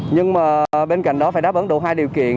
nhưng mà bên cạnh đó phải đáp ứng đủ hai điều kiện